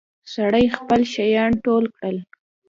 سړي خپل شيان ټول کړل.